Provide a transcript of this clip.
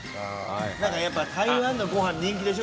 なんかやっぱり台湾のご飯人気でしょ？